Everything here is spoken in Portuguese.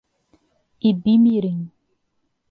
Ibimirim